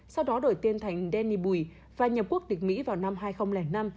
sau đó đổi tên thành danny bùi và nhập quốc địch mỹ vào năm hai nghìn năm